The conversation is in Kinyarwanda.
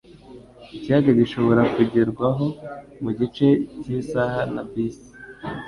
Ikiyaga gishobora kugerwaho mugice cyisaha na bisi.